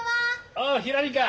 おおひらりか。